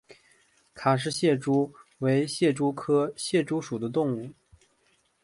卡氏蟹蛛为蟹蛛科蟹蛛属的动物。